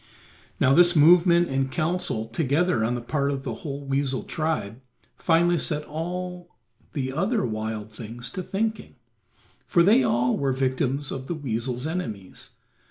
Now this movement and counsel together on the part of the whole weasel tribe finally set all the other wild things to thinking, for they all were victims of the weasel's enemies.